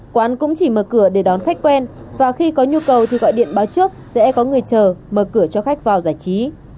quán cũng chỉ mở cửa để đón khách quen và khi có nhu cầu thì gọi điện báo trước sẽ có người chờ mở cửa cho khách vào giải trí